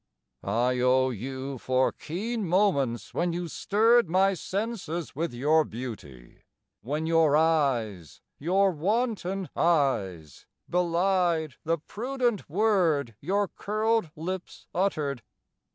I owe you for keen moments when you stirred My senses with your beauty, when your eyes (Your wanton eyes) belied the prudent word Your curled lips uttered.